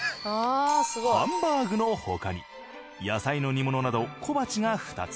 ハンバーグのほかに野菜の煮物など小鉢が２つ。